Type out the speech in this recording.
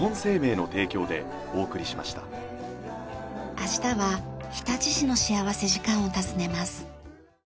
明日は日立市の幸福時間を訪ねます。